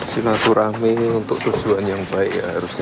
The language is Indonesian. silaturahmi untuk tujuan yang baik